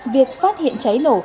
việc phát hiện cháy nổ